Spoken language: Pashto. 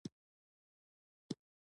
سوالګر ته یوه لاره خلاصون ښکاري